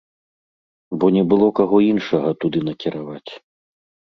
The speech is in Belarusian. Бо не было каго іншага туды накіраваць.